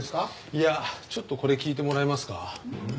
いやちょっとこれ聞いてもらえますか？